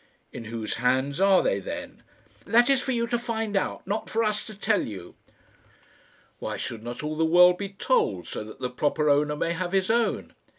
"In whose hands are they then?" "That is for you to find out, not for us to tell you." "Why should not all the world be told, so that the proper owner may have his own?"